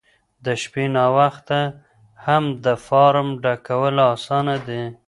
د شپې ناوخته هم د فارم ډکول اسانه دي.